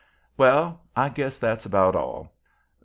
Well, I guess that's about all.